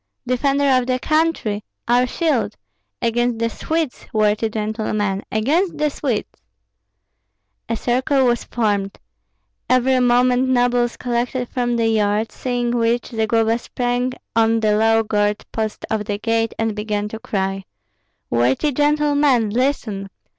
"Defender of the country! Our shield! Against the Swedes, worthy gentlemen, against the Swedes!" A circle was formed. Every moment nobles collected from the yard; seeing which, Zagloba sprang on the low guard post of the gate, and began to cry, "Worthy gentlemen, listen!